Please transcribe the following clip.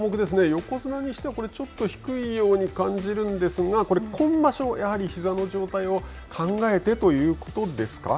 横綱にしてはちょっと低いように感じるんですがこれ今場所、やはりひざの状態を考えてということですか。